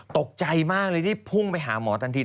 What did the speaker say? ตกใจมากเลยที่พุ่งไปหาหมอทันที